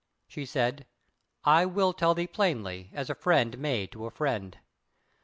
She said: "I will tell thee plainly, as a friend may to a friend.